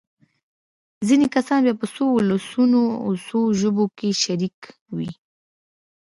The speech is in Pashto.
ځينې کیسې بیا په څو ولسونو او څو ژبو کې شریکې وي.